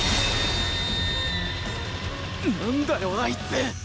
なんだよあいつ！